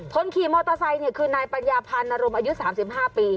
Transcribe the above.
คนขี่มอเตอร์ไซค์คือนายปัญญาพาณรมอายุ๓๕ปี